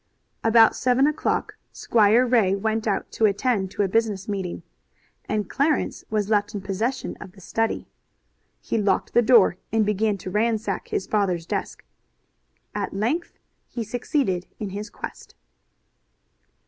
About seven o'clock Squire Ray went out to attend to a business meeting, and Clarence was left in possession of the study. He locked the door, and began to ransack his father's desk. At length he succeeded in his quest.